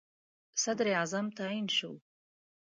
صدراعظم تعیین شول.